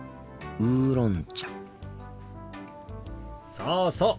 そうそう。